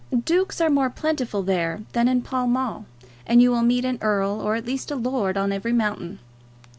Dukes are more plentiful there than in Pall Mall, and you will meet an earl or at least a lord on every mountain.